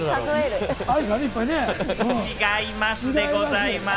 違いますでございます。